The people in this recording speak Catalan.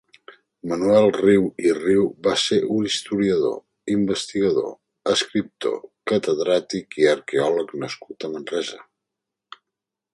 Manuel Riu i Riu va ser un historiador, investigador, escriptor, catedràtic i arqueòleg nascut a Manresa.